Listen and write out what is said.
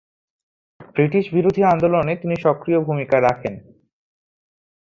British বিরোধী আন্দোলনে তিনি সক্রিয় ভূমিকা রাখেন।